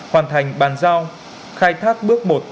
hoàn thành bàn giao khai thác bước một